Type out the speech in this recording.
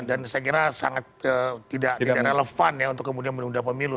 dan saya kira sangat tidak relevan ya untuk menunda pemilu